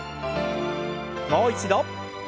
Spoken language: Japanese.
もう一度。